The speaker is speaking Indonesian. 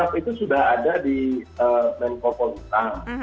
alat itu sudah ada di menko polisang